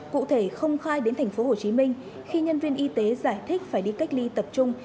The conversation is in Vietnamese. cụ thể không khai đến thành phố hồ chí minh khi nhân viên y tế giải thích phải đi cách ly tập trung